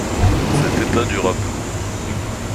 Cet état dura peu.